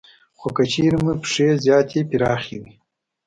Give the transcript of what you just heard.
خو که چېرې مو پښې زیاتې پراخې وي